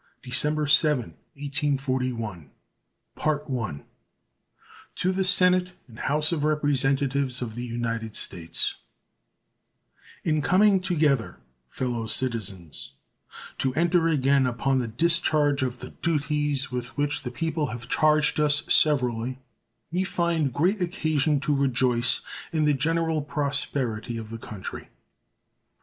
VAN BUREN State of the Union Address John Tyler December 7, 1841 To the Senate and House of Representatives of the United States: In coming together, fellow citizens, to enter again upon the discharge of the duties with which the people have charged us severally, we find great occasion to rejoice in the general prosperity of the country.